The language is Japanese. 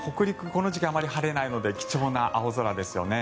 この時間あまり晴れないので貴重な青空ですよね。